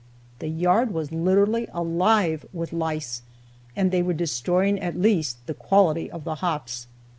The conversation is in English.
The yard was literally alive with lice, and they were destroying at least the quality of the hops.